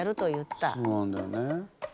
そうなんだよね。